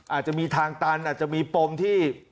อาจจะมีทางตันอาจจะมีปมที่